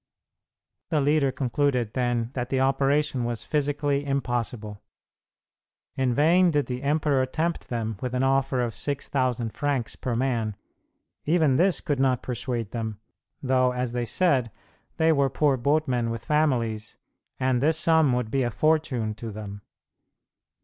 The leader concluded, then, that the operation was physically impossible. In vain did the emperor tempt them with an offer of 6,000 francs per man; even this could not persuade them, though, as they said, they were poor boatmen with families, and this sum would be a fortune to them.